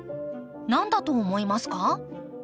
何だと思いますか？